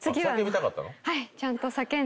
はい。